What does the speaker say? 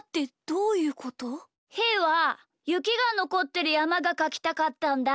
ひーはゆきがのこってるやまがかきたかったんだ。